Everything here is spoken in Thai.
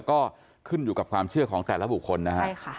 ก็ขึ้นอยู่กับความเชื่อของแต่ละบุคคลนะฮะใช่ค่ะ